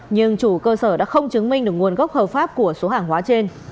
nhưng chủ cơ sở đã không chứng minh được nguồn gốc hợp pháp của số hàng hóa trên